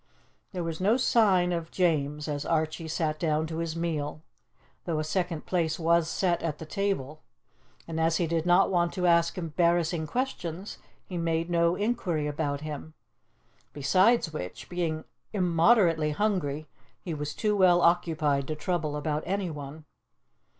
There was no sign of James as Archie sat down to his meal, though a second place was set at the table, and as he did not want to ask embarrassing questions, he made no inquiry about him. Besides which, being immoderately hungry, he was too well occupied to trouble about anyone.